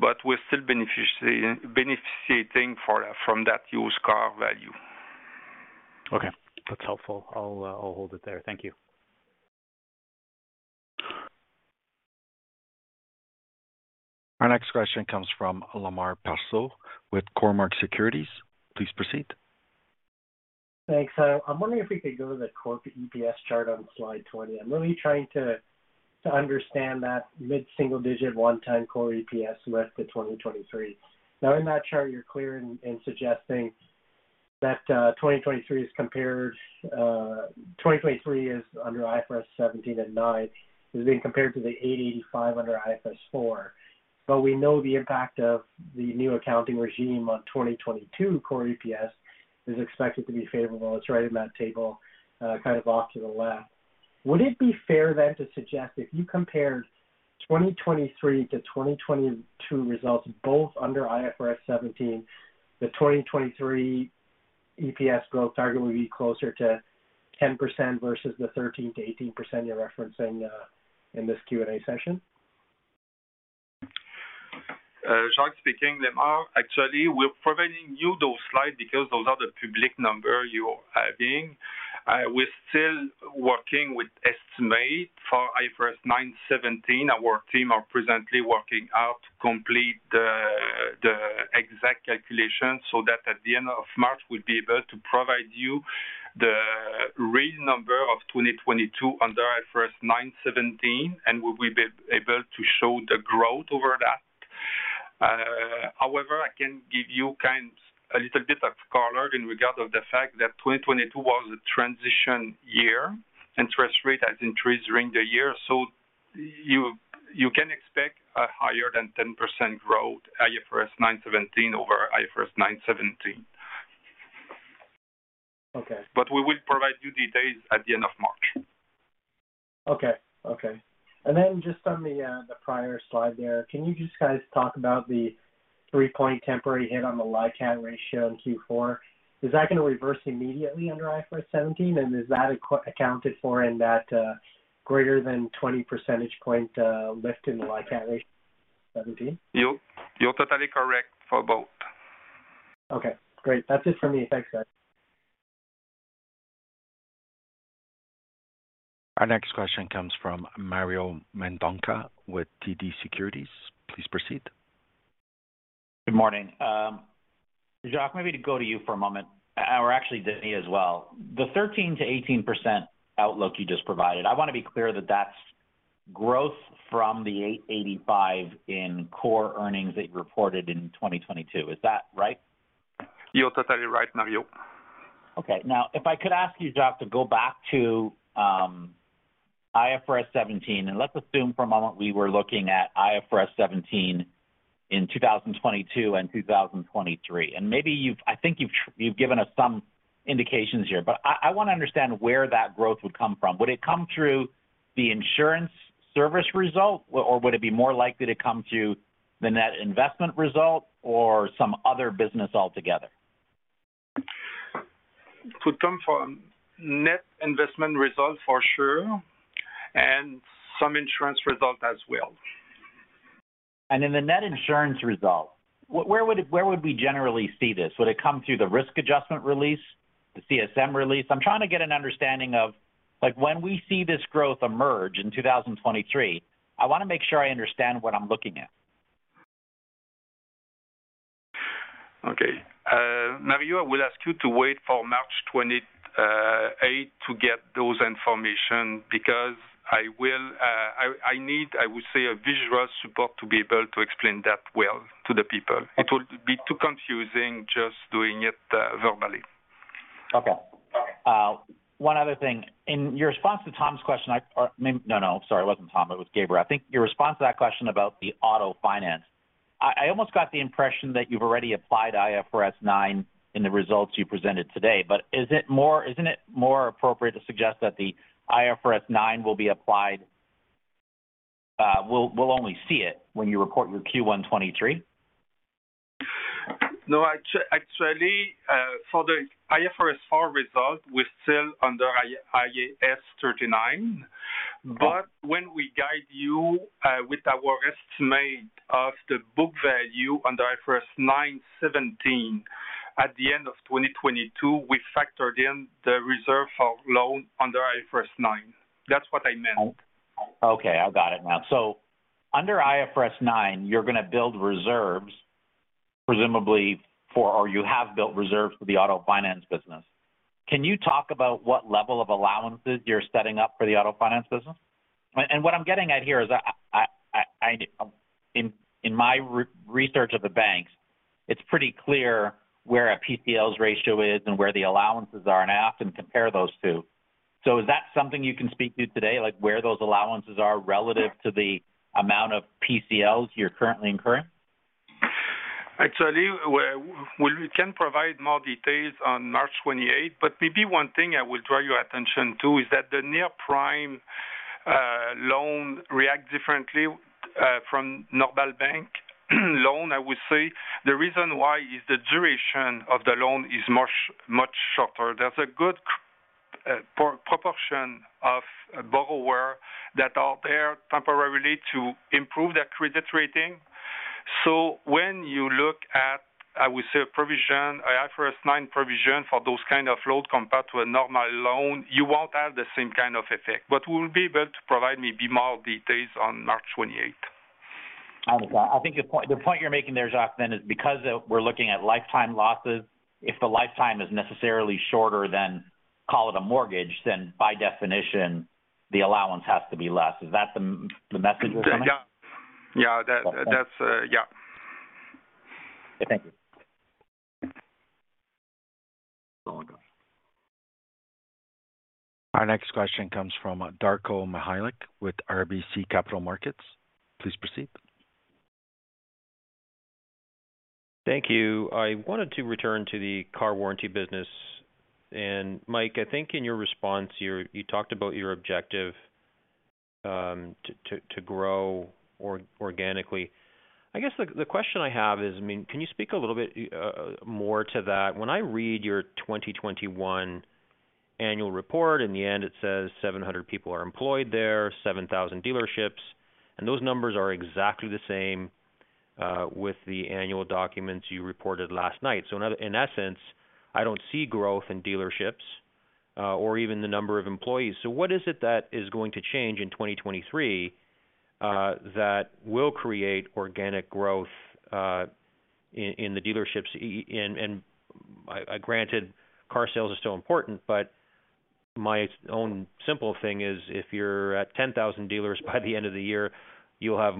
We're still beneficiating from that used car value. Okay. That's helpful. I'll hold it there. Thank you. Our next question comes from Lemar Persaud with Cormark Securities. Please proceed. Thanks. I'm wondering if we could go to the core EPS chart on slide 20. I'm really trying to understand that mid-single digit one-time core EPS risk to 2023. Now in that chart, you're clear in suggesting that 2023 is compared, 2023 is under IFRS 17 and 9 is being compared to the 8-85 under IFRS 4. We know the impact of the new accounting regime on 2022 core EPS is expected to be favorable. It's right in that table, kind of off to the left. Would it be fair to suggest if you compared 2023 to 2022 results both under IFRS 17, the 2023EPS growth target will be closer to 10% versus the 13%-18% you're referencing in this Q&A session? Jacques speaking. Actually, we're providing you those slides because those are the public number you are having. We're still working with estimate for IFRS 9 17. Our team are presently working out to complete the exact calculation so that at the end of March, we'll be able to provide you the real number of 2022 under IFRS 9 17, and we'll be able to show the growth over that. However, I can give you a little bit of color in regard of the fact that 2022 was a transition year, interest rate has increased during the year, you can expect a higher than 10% growth IFRS 9 17 over IFRS 9 17. Okay. We will provide you details at the end of March. Okay. Okay. Just on the prior slide there, can you just guys talk about the 3-point temporary hit on the LICAT ratio in Q4? Is that gonna reverse immediately under IFRS 17, and is that accounted for in that, greater than 20 percentage point, lift in the LICAT ratio seventeen? You're totally correct for both. Okay, great. That's it for me. Thanks, guys. Our next question comes from Mario Mendonca with TD Securities. Please proceed. Good morning. Jacques, maybe to go to you for a moment, or actually Denis as well. The 13%-18% outlook you just provided, I wanna be clear that that's growth from the $885 in core earnings that you reported in 2022. Is that right? You're totally right, Mario. Okay. Now, if I could ask you, Jacques, to go back to IFRS 17, let's assume for a moment we were looking at IFRS 17 in 2022 and 2023. Maybe I think you've given us some indications here, but I wanna understand where that growth would come from. Would it come through the insurance service result, or would it be more likely to come through the net investment result or some other business altogether? It would come from net investment results for sure, and some insurance results as well. In the net insurance result, where would we generally see this? Would it come through the risk adjustment release, the CSM release? I'm trying to get an understanding of, like, when we see this growth emerge in 2023, I wanna make sure I understand what I'm looking at. Okay. Mario, I will ask you to wait for March 28th to get those information, because I need, I would say, a visual support to be able to explain that well to the people. It would be too confusing just doing it verbally. One other thing. In your response to Tom's question, It wasn't Tom. It was Gabriel. I think your response to that question about the auto finance, I almost got the impression that you've already applied IFRS 9 in the results you presented today. Isn't it more appropriate to suggest that the IFRS 9 will be applied, we'll only see it when you report your Q1 2023? No. Actually, for the IFRS 4 result, we're still under IAS 39. When we guide you, with our estimate of the book value under IFRS 9 seventeen at the end of 2022, we factored in the reserve for loan under IFRS 9. That's what I meant. Okay. I've got it now. Under IFRS 9, you're gonna build reserves presumably or you have built reserves for the auto finance business. Can you talk about what level of allowances you're setting up for the auto finance business? What I'm getting at here is in my re-research of the banks, it's pretty clear where a PCLs ratio is and where the allowances are, and I often compare those two. Is that something you can speak to today, like where those allowances are relative to the amount of PCLs you're currently incurring? Actually, we can provide more details on March 28, maybe one thing I will draw your attention to is that the near prime loan react differently from normal bank loan, I would say. The reason why is the duration of the loan is much, much shorter. There's a good proportion of borrower that are there temporarily to improve their credit rating. When you look at, I would say, a provision, IFRS 9 provision for those kind of loans compared to a normal loan, you won't have the same kind of effect. We'll be able to provide maybe more details on March 28. I think the point you're making there, Jacques, then is because of we're looking at lifetime losses, if the lifetime is necessarily shorter than, call it a mortgage, then by definition the allowance has to be less. Is that the message we're coming at? Yeah. Yeah. That's, yeah. Thank you. Our next question comes from Darko Mihelic with RBC Capital Markets. Please proceed. Thank you. I wanted to return to the car warranty business. Mike, I think in your response, you talked about your objective to grow organically. I guess the question I have is, I mean, can you speak a little bit more to that? When I read your 2021 annual report, in the end, it says 700 people are employed there, 7,000 dealerships, and those numbers are exactly the same with the annual documents you reported last night. In essence, I don't see growth in dealerships or even the number of employees. What is it that is going to change in 2023 that will create organic growth in the dealerships? Granted, car sales are still important, but my own simple thing is if you're at 10,000 dealers by the end of the year, you'll have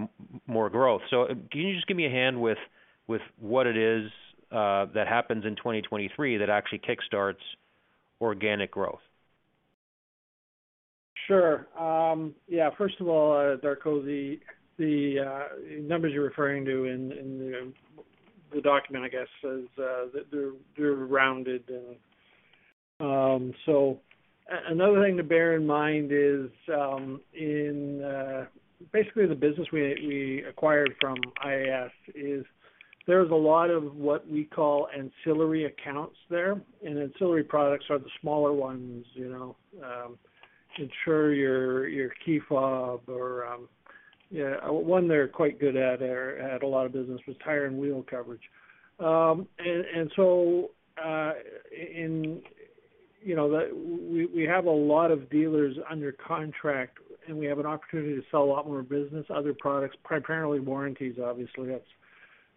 more growth. Can you just give me a hand with what it is that happens in 2023 that actually kickstarts organic growth? Sure. First of all, Darko, the numbers you're referring to in the document, I guess, says that they're rounded. Another thing to bear in mind is basically the business we acquired from IAS is there's a lot of what we call ancillary accounts there. Ancillary products are the smaller ones, you know, to ensure your key fob or. One they're quite good at or had a lot of business was tire and wheel coverage. In, you know, we have a lot of dealers under contract, and we have an opportunity to sell a lot more business, other products, primarily warranties, obviously.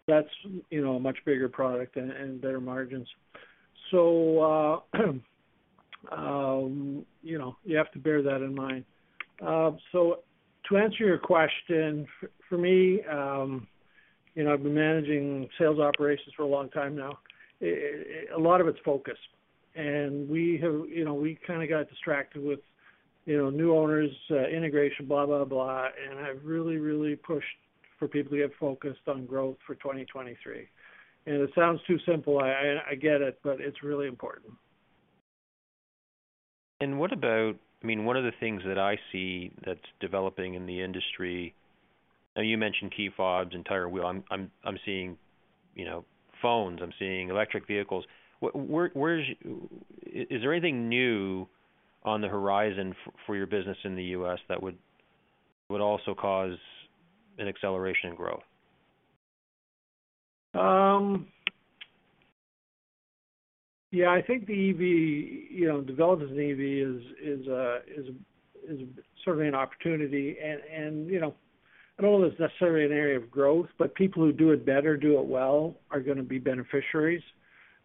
That's, you know, a much bigger product and better margins. You know, you have to bear that in mind. To answer your question, for me, you know, I've been managing sales operations for a long time now. A lot of it's focus. We have, you know, we kinda got distracted with, you know, new owners, integration, blah, blah. I've really, really pushed for people to get focused on growth for 2023. It sounds too simple, I get it, but it's really important. What about, I mean, one of the things that I see that's developing in the industry, you mentioned key fobs and tire and wheel. I'm seeing, you know, phones. I'm seeing electric vehicles. Where is there anything new on the horizon for your business in the US that would also cause an acceleration in growth? Yeah, I think the EV, you know, developers in EV is certainly an opportunity and, you know, I don't know if it's necessarily an area of growth, but people who do it better, do it well, are gonna be beneficiaries.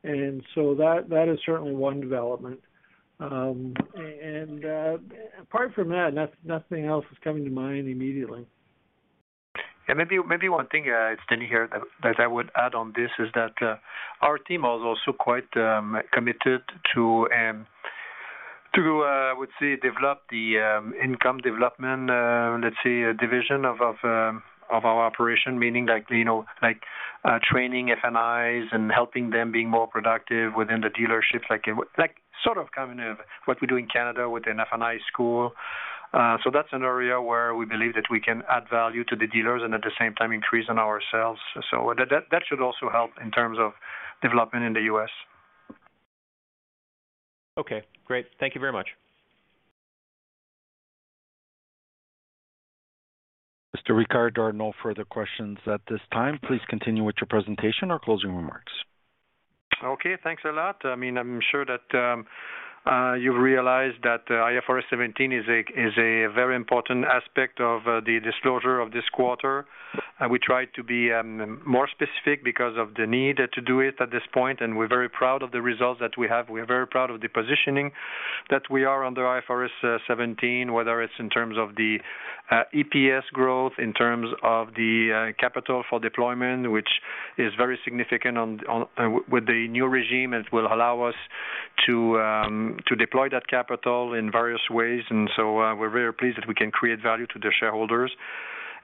So that is certainly one development. Apart from that, nothing else is coming to mind immediately. Maybe one thing, it's Denis here, that I would add on this is that our team was also quite committed to, I would say, develop the income development, let's say, division of our operation. Meaning like, you know, training F&Is and helping them being more productive within the dealerships, like sort of, kind of what we do in Canada with the F&I school. That's an area where we believe that we can add value to the dealers and at the same time increase on ourselves. That should also help in terms of development in the US Okay, great. Thank you very much. Mr. Ricard, there are no further questions at this time. Please continue with your presentation or closing remarks. Okay, thanks a lot. I mean, I'm sure that you've realized that IFRS 17 is a very important aspect of the disclosure of this quarter. We try to be more specific because of the need to do it at this point, and we're very proud of the results that we have. We're very proud of the positioning that we are under IFRS 17, whether it's in terms of the EPS growth, in terms of the capital for deployment, which is very significant with the new regime, it will allow us to deploy that capital in various ways. We're very pleased that we can create value to the shareholders.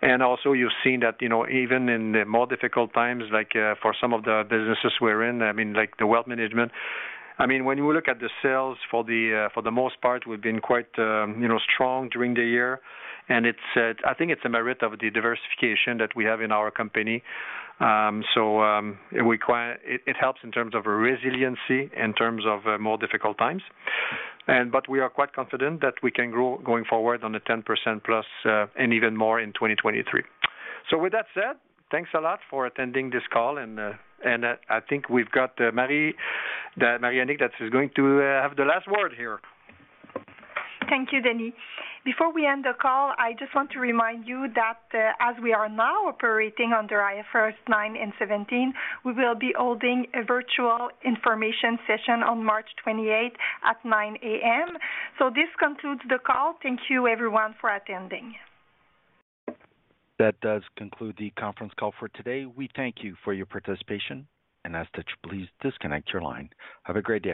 Also, you've seen that, you know, even in the more difficult times, like, for some of the businesses we're in, I mean, like the wealth management. I mean, when you look at the sales for the, for the most part, we've been quite, you know, strong during the year. It's, I think it's a merit of the diversification that we have in our company. It, it helps in terms of resiliency, in terms of more difficult times. But we are quite confident that we can grow going forward on the 10% plus, and even more in 2023. With that said, thanks a lot for attending this call, and I think we've got Marie, that Marie-Annick that is going to have the last word here. Thank you, Denis. Before we end the call, I just want to remind you that as we are now operating under IFRS 9 and 17, we will be holding a virtual information session on March 28th at 9:00 A.M. This concludes the call. Thank you everyone for attending. That does conclude the Conference Call for today. We thank you for your participation and ask that you please disconnect your line. Have a great day.